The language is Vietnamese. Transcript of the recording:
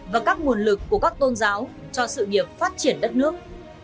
và các nguồn lực của các tôn giáo cho sự nghiệp phát triển đất nước